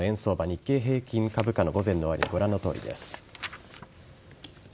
日経平均株価の午前の終値ご覧のとおりです。